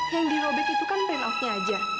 yang dirobek itu kan pain off nya aja